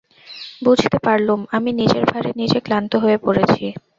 বুঝতে পারলুম, আমি নিজের ভারে নিজে ক্লান্ত হয়ে পড়েছি।